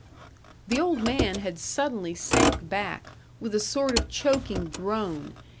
The old man had suddenly sank back, with a sort of choking groan.